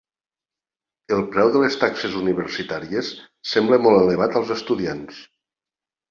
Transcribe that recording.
El preu de les taxes universitàries sembla molt elevat als estudiants